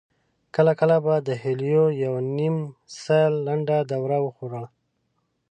کله کله به د هيليو يوه نيم سېل لنډه دوره وخوړه.